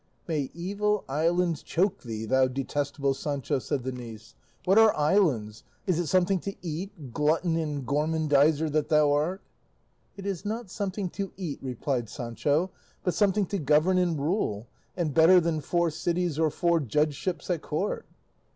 "May evil islands choke thee, thou detestable Sancho," said the niece; "What are islands? Is it something to eat, glutton and gormandiser that thou art?" "It is not something to eat," replied Sancho, "but something to govern and rule, and better than four cities or four judgeships at court."